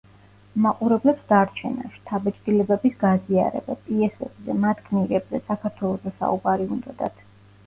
მაყურებლებს დარჩენა, შთაბეჭდილებების გაზიარება, პიესებზე, მათ გმირებზე, საქართველოზე საუბარი უნდოდათ.